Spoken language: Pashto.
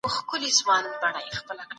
که نجونې ډیزاین وکړي نو بڼه به نه وي بده.